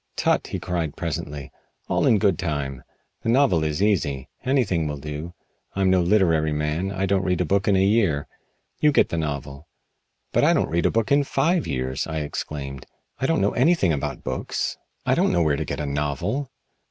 "Tut!" he cried presently. "All in good time! The novel is easy. Anything will do. I'm no literary man. I don't read a book in a year. You get the novel." "But I don't read a book in five years!" I exclaimed. "I don't know anything about books. I don't know where to get a novel."